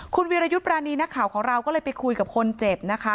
คุณวิรยุทธ์ปรานีนักข่าวของเราก็เลยไปคุยกับคนเจ็บนะคะ